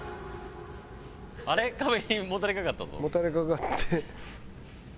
もたれかかって。